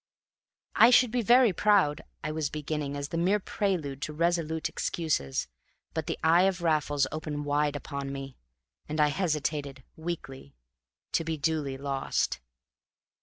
"I should be very proud," I was beginning, as the mere prelude to resolute excuses; but the eye of Raffles opened wide upon me; and I hesitated weakly, to be duly lost.